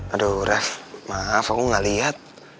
aduh ref maaf aku gak liat